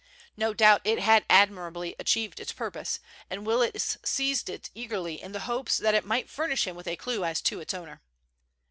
No doubt it had admirably achieved its purpose, and Willis seized it eagerly in the hope that it might furnish him with a clue as to its owner.